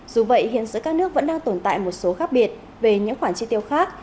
dù vậy hiện giữa các nước vẫn đang tồn tại một số khác biệt về những khoản chi tiêu khác